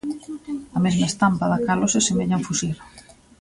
A mesma estampa da cal hoxe semellan fuxir.